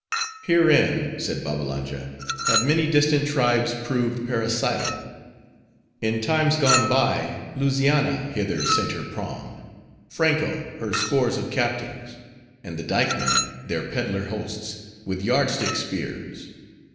"Herein," said Babbalanja, "have many distant tribes proved parricidal. In times gone by, Luzianna hither sent her prom; Franko, her scores of captains; and the Dykemen, their peddler hosts, with yard stick spears!